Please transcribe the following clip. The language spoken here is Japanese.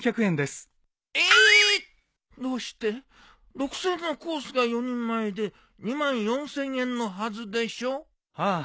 ６，０００円のコースが４人前で２４，０００円のはずでしょ？はあ。